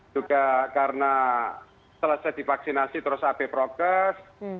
juga karena selesai divaksinasi terus hp progress